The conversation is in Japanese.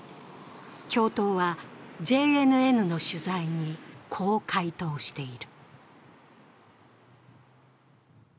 教頭はＪＮＮの取材に、こう回答している。